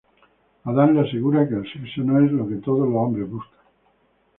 Adam le asegura que el sexo no es lo que todos los hombres buscan.